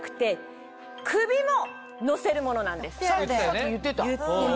さっき言ってた。